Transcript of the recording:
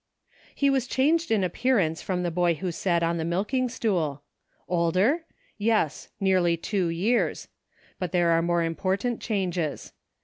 He was changed in appearance from the boy who sat on the milking stool. Older } Yes, nearly two years. But there are more important changes.